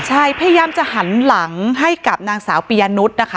ใช่พยายามจะหันหลังให้กับนางสาวปียะนุษย์นะคะ